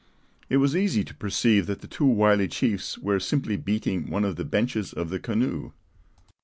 It was easy to perceive that the two wily chiefs were simply beating one of the benches of the canoe.